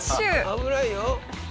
危ないよ。